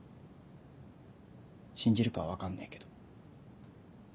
信じるかは分かんねえけど。